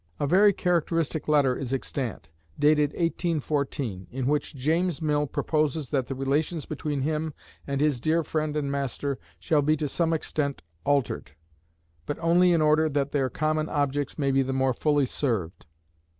A very characteristic letter is extant, dated 1814, in which James Mill proposes that the relations between him and his "dear friend and master" shall be to some extent altered, but only in order that their common objects may be the more fully served.